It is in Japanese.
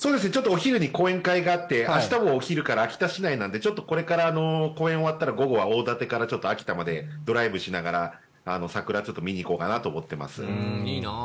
お昼に講演会があって明日もお昼から秋田市内なのでこれから講演が終わったら午後は大舘から秋田までドライブしながら桜をちょっと見に行こうかなと思っています。